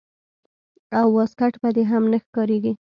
او واسکټ به دې هم نه ښکارېږي.